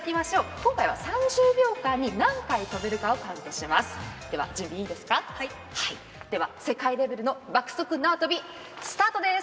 今回は３０秒間に何回跳べるかをカウントします。